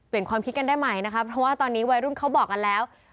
ความคิดกันได้ใหม่นะคะเพราะว่าตอนนี้วัยรุ่นเขาบอกกันแล้ว